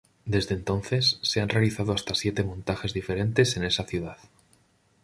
Desde entonces se han realizado hasta siete montajes diferentes en esa ciudad.